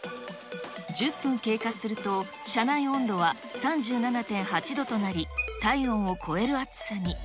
１０分経過すると、車内温度は３７．８度となり、体温を超える暑さに。